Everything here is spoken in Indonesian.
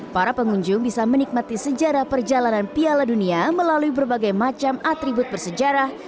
para pengunjung bisa menikmati sejarah perjalanan piala dunia melalui berbagai macam atribut bersejarah